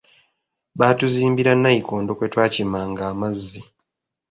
Baatuzimbira nnayikondo kwe twakimanga amazzi.